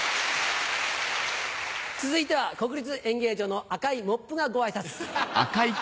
続いては国立演芸場の赤いモップがご挨拶。